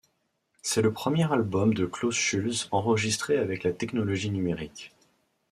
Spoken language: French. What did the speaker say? C'est le premier album de Klaus Schulze enregistré avec la technologie numérique.